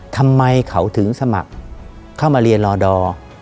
ทำไมเขาถึงสมัครเข้ามาเรียนรอดอร์